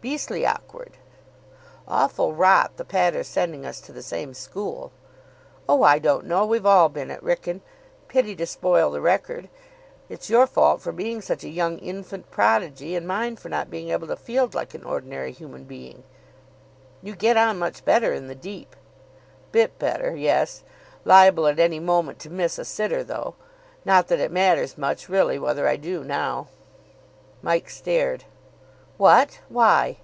Beastly awkward." "Awful rot the pater sending us to the same school." "Oh, I don't know. We've all been at Wrykyn. Pity to spoil the record. It's your fault for being such a young Infant Prodigy, and mine for not being able to field like an ordinary human being." "You get on much better in the deep." "Bit better, yes. Liable at any moment to miss a sitter, though. Not that it matters much really whether I do now." Mike stared. "What! Why?"